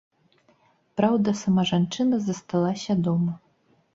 Праўда, сама жанчына засталася дома.